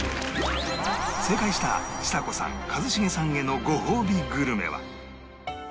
正解したちさ子さん一茂さんへのごほうびグルメは